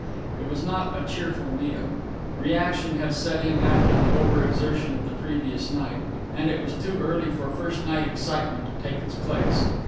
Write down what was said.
It was not a cheerful meal. Reaction had set in after the over exertion of the previous night, and it was too early for first night excitement to take its place.